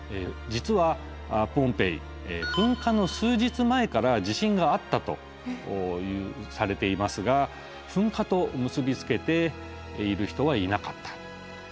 実はポンペイ噴火の数日前から地震があったとされていますが噴火と結び付けている人はいなかった。